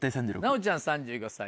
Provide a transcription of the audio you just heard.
奈央ちゃん３５歳。